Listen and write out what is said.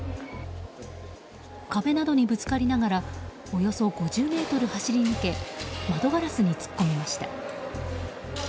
壁などにぶつかりながらおよそ５０ｍ走り抜け窓ガラスに突っ込みました。